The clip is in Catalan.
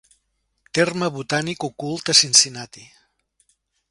Terme botànic ocult a Cincinnati.